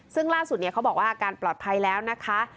ซึ่งล่าสุดเขาบอกว่าอาการปลอดภัยแล้วนะคะ